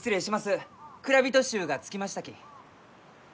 蔵人衆が着きましたき。